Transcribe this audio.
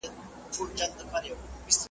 موږ پخپله دی ښکاري ته پر ورکړی .